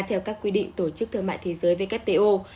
theo các quy định tổ chức thương mại thế giới wto